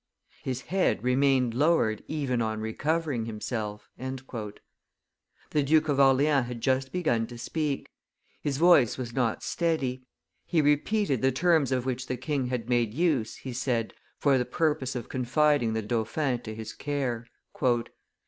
His head remained lowered even on recovering himself." The Duke of Orleans had just begun to speak; his voice was not steady; he repeated the terms of which the king had made use, he said, for the purpose of confiding the dauphin to his care.